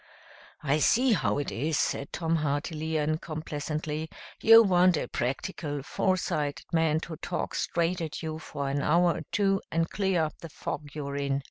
"I see how it is," said Tom heartily and complacently, "you want a practical, foresighted man to talk straight at you for an hour or two and clear up the fog you're in.